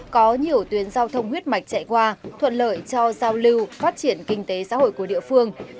có nhiều tuyến giao thông huyết mạch chạy qua thuận lợi cho giao lưu phát triển kinh tế xã hội của địa phương